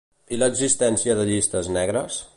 I l'existència de llistes negres?